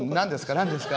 何ですか？